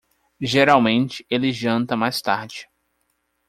Geralmente ele janta mais tarde.